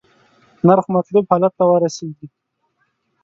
نرخ مطلوب حالت ته ورسیږي.